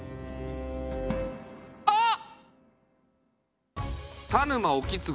あっ！